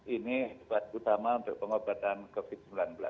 ini obat utama untuk pengobatan covid sembilan belas